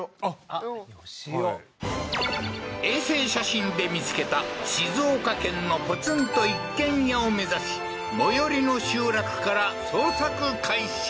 あっヨシオ衛星写真で見つけた静岡県のポツンと一軒家を目指し最寄りの集落から捜索開始